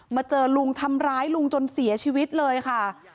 เจอลุงทำร้ายลุงจนเสียชีวิตเลยค่ะ